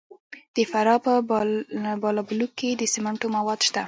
د فراه په بالابلوک کې د سمنټو مواد شته.